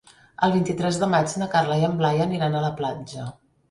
El vint-i-tres de maig na Carla i en Blai aniran a la platja.